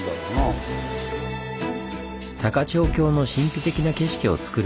高千穂峡の神秘的な景色をつくる